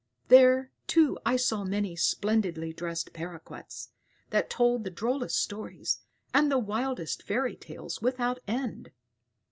There, too, I saw many splendidly dressed paroquets, that told the drollest stories, and the wildest fairy tales without end."